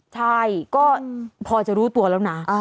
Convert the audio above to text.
ใช่ก็พอจะรู้ตัวแล้วนะ